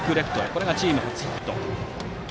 これがチーム初ヒット。